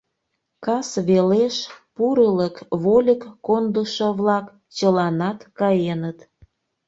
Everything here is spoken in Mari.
Кас велеш пурылык вольык кондышо-влак чыланат каеныт.